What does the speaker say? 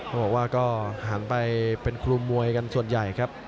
เขาบอกว่าก็หันไปเป็นครูมวยกันส่วนใหญ่ครับ